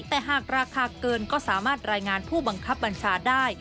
แต่หากราคาเกินก็สามารถรายงานผู้บังคับบัญชาได้